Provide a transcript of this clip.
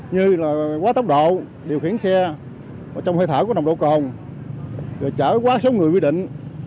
như quá tốc độ điều khiển xe trong hơi thở của nồng độ cồn trở quá số người quy định